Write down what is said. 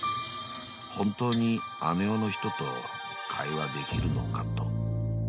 ［本当にあの世の人と会話できるのかと］